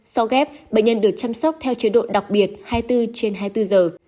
sau ghép bệnh nhân được chăm sóc theo chế độ đặc biệt hai mươi bốn trên hai mươi bốn giờ